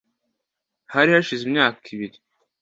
Hari hashize imyaka ibiri